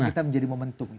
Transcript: kita menjadi momentum